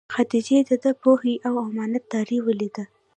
خدیجې دده پوهه او امانت داري ولیده.